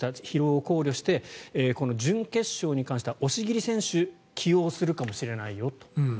疲労を考慮して準決勝に関しては押切選手を起用するかもしれないよと。